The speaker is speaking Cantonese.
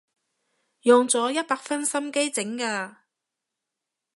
用咗一百分心機整㗎